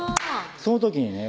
その時にね